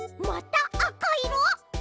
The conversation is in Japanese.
またあかいろ？